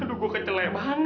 aduh gua kecelek banget